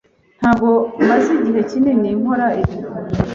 Ntabwo maze igihe kinini nkora ibi.